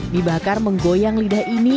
mie bakar menggoyang lidah ini